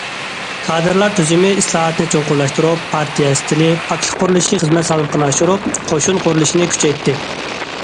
كادىرلار تۈزۈمى ئىسلاھاتىنى چوڭقۇرلاشتۇرۇپ، پارتىيە ئىستىلى، پاكلىق قۇرۇلۇشى خىزمەت سالمىقىنى ئاشۇرۇپ، قوشۇن قۇرۇلۇشىنى كۈچەيتتى.